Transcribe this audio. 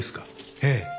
ええ。